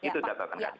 itu datangkan kali